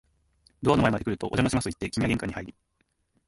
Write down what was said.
ドアの前まで来ると、お邪魔しますと言って、君は玄関に入り、